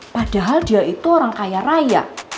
padahal dia itu orang kaya raya